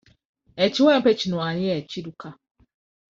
Ekiwempe kino ani eyakiruka?